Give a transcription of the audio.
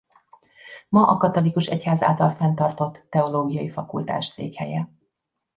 Ma a katolikus egyház által fenntartott Teológiai Fakultás székhelye.